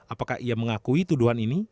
apakah ia mengakui tuduhan ini